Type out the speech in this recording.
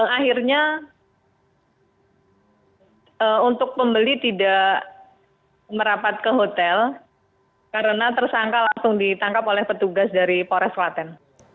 akhirnya untuk pembeli tidak merapat ke hotel karena tersangka langsung ditangkap oleh petugas dari pores klaten